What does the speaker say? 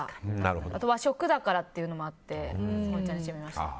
あと和食だからっていうのもあって、日本茶にしてみました。